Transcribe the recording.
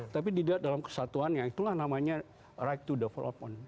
tapi di dalam kesatuannya itulah namanya right to development